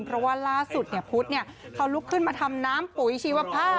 เพราะว่าล่าสุดพุทธเขาลุกขึ้นมาทำน้ำปุ๋ยชีวภาพ